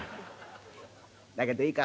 だけどいいか？